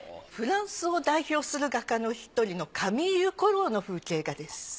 フランスを代表する画家の１人のカミーユ・コローの風景画です。